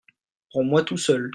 Pour moi tout seul